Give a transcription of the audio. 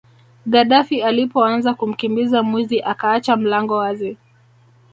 Gadaffi alipoanza kumkimbiza mwizi akaacha mlango wazi